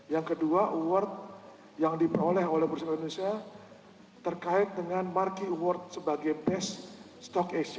yang kedua award yang diperoleh oleh bursa indonesia terkait dengan marki award sebagai best stock asia